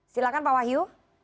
silakan pak wahyu